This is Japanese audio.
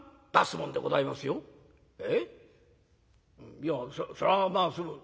いやそりゃまあ